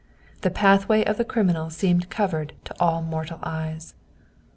The pathway of the criminal seemed covered to all mortal eyes.